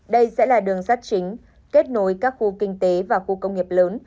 đây sẽ là đường rắt chính kết nối các khu kinh tế và khu công nghiệp lớn